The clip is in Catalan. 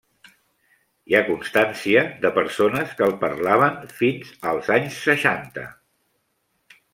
Hi ha constància de persones que el parlaven fins als anys seixanta.